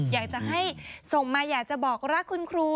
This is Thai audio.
อยากจะให้ส่งมาอยากจะบอกรักคุณครู